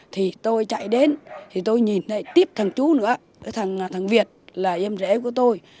thì tôi chạy đến thì tôi nhìn thấy tiếp thằng chú nữa thằng việt là em rể của tôi